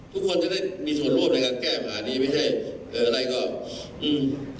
ทุกคนจะได้มีส่วนร่วมในการแก้ปัญหานี้ไม่ใช่เอออะไรก็อืม